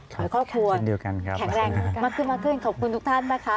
ขอให้ครอบครัวแข็งแรงมาขึ้นขอบคุณทุกท่านนะคะ